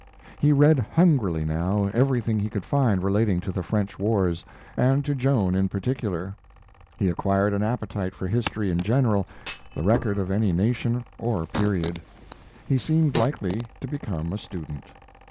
He read hungrily now everything he could find relating to the French wars, and to Joan in particular. He acquired an appetite for history in general, the record of any nation or period; he seemed likely to become a student.